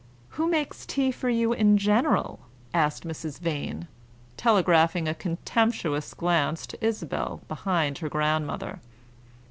"Who makes tea for you in general?" asked Mrs. Vane, telegraphing a contemptuous glance to Isabel behind her grandmother.